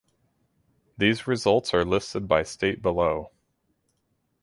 These results are listed by state below.